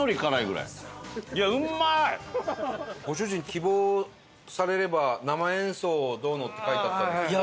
ご主人希望されれば生演奏をどうのって書いてあったんですけど。